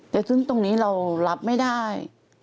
แต่ซึ่งตรงนี้เรารับไม่ได้